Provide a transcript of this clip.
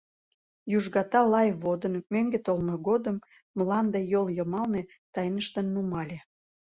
Южгата лай водын Мӧҥгӧ толмо годым Мланде Йол йымалне Тайныштын нумале.